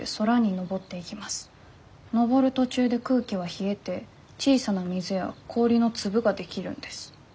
のぼる途中で空気は冷えて小さな水や氷のつぶができるんです」。